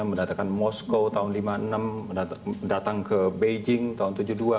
mendatangkan moskow tahun seribu sembilan ratus lima puluh enam datang ke beijing tahun seribu sembilan ratus tujuh puluh dua